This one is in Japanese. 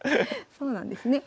そうなんですね。